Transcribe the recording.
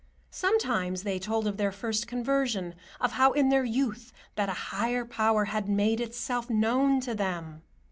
Sometimes they told of their first conversion, of how in their youth that higher Power had made itself known to them.